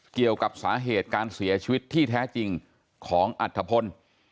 เกี่ยวกับสาเหตุการเสียชีวิตที่แท้จริงของอัฐพล